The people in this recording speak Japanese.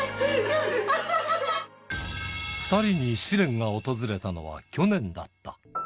２人に試練が訪れたのは、去年だった。